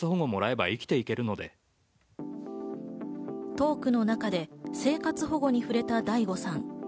トークの中で生活保護に触れたＤａｉＧｏさん。